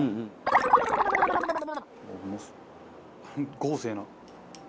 豪勢な。